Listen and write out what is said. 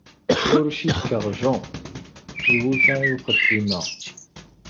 Ur cikkeɣ John iwuta i uxeddim-a.